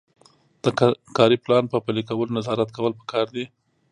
د کاري پلان په پلي کولو نظارت کول پکار دي.